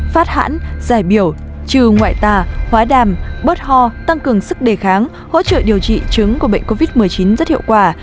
phát hãn giải biểu trừ ngoại tà hóa đàm bớt ho tăng cường sức đề kháng hỗ trợ điều trị chứng của bệnh covid một mươi chín rất hiệu quả